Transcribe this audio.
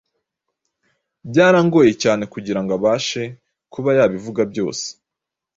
Byarangoye cyanekugirango abashe kuba yabivuga byose.